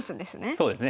そうですね。